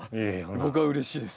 僕はうれしいです。